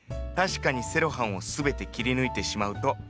確かにセロハンを全て切り抜いてしまうと。